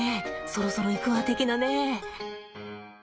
そろそろいくわ的なね。